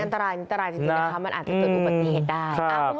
อันตรายที่จะข้ามันอาทิตย์ทุกประเทศได้